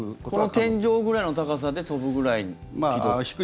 この天井ぐらいの高さで飛ぶくらいの軌道？